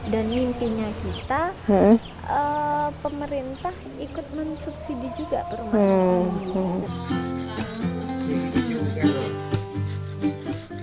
dan mimpinya kita pemerintah ikut mensubsidi juga perumahan